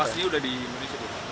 pasti udah di indonesia